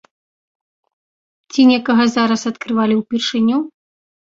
Ці некага зараз адкрывалі ўпершыню?